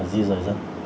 di rời dân